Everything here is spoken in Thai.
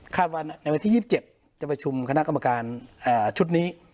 ว่าในวันที่๒๗จะประชุมคณะกรรมการชุดนี้